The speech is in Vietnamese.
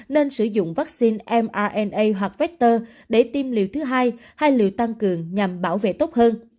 nên sử dụng vaccine mna hoặc vector để tiêm liều thứ hai hay liệu tăng cường nhằm bảo vệ tốt hơn